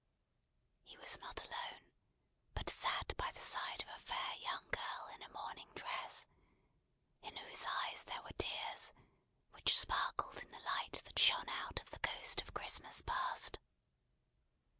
He was not alone, but sat by the side of a fair young girl in a mourning dress: in whose eyes there were tears, which sparkled in the light that shone out of the Ghost of Christmas Past.